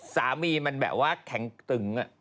สามีมันแบบว่าแข็งตึง